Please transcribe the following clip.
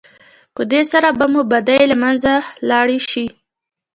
په دې سره به مو بدۍ له منځه لاړې شي.